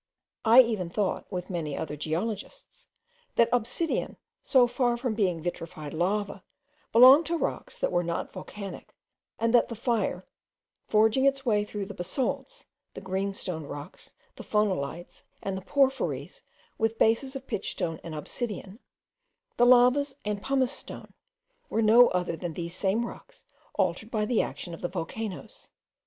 I even thought, with many other geologists, that obsidian, so far from being vitrified lava, belonged to rocks that were not volcanic; and that the fire, forcing its way through the basalts, the green stone rocks, the phonolites, and the porphyries with bases of pitchstone and obsidian, the lavas and pumice stone were no other than these same rocks altered by the action of the volcanoes.